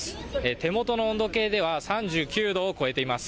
手元の温度計では３９度を超えています。